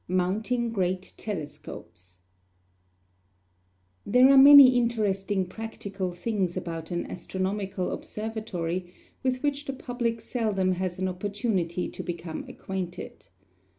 MOUNTING GREAT TELESCOPES There are many interesting practical things about an astronomical observatory with which the public seldom has an opportunity to become acquainted.